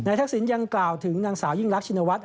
นายทักศิลป์ยังกล่าวถึงนางสาวยิ่งรักชินวัฏ